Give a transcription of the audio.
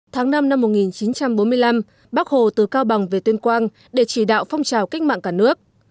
tháng năm năm một nghìn chín trăm bốn mươi năm bác hồ từ cao bằng về tuyên quang để chỉ đạo phong trào cách mạng cả nước